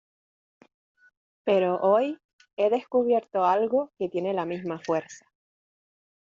pero hoy he descubierto algo que tiene la misma fuerza.